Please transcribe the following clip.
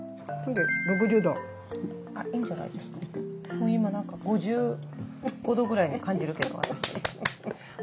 もう今何か５５度ぐらいに感じるけど私。